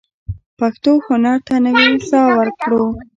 پښتو هنر ته نوې ساه ورکړو.